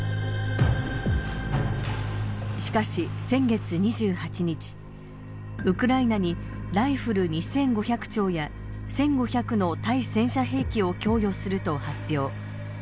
しかし先月２８日、ウクライナにライフル２５００丁や１５００の対戦車兵器を供与すると発表。